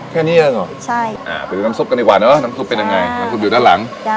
แค่นี้เองหรอโอเคแบบนี้น้ำซุปกันดีกว่าละน้ำซุปเป็นยังไงมันอยู่ด้านหลัง